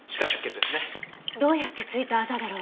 どうやってついたあざだろう？